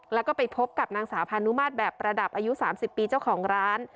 แล้วก็ไปพบกับนางสาวพานุมาตรแบบประดับอายุ๓๐ปีเจ้าของร้าน